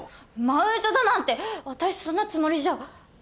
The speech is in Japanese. マウントだなんて私そんなつもりじゃ。